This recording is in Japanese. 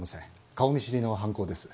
顔見知りの犯行です。